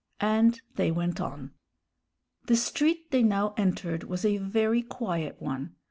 And they went on. The street they now entered was a very quiet one.